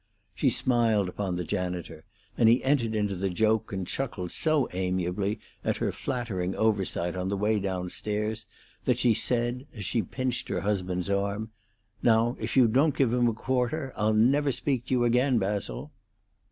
She smiled upon the janitor, and he entered into the joke and chuckled so amiably at her flattering oversight on the way down stairs that she said, as she pinched her husband's arm, "Now, if you don't give him a quarter I'll never speak to you again, Basil!"